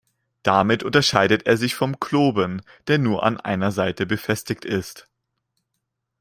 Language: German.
Damit unterscheidet er sich vom Kloben, der nur an einer Seite befestigt ist.